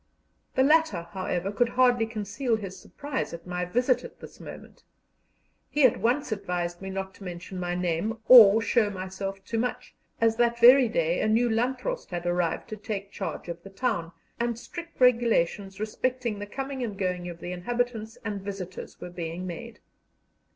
The latter, however, could hardly conceal his surprise at my visit at this moment. He at once advised me not to mention my name, or show myself too much, as that very day a new Landrost had arrived to take charge of the town, and strict regulations respecting the coming and going of the inhabitants and visitors were being made.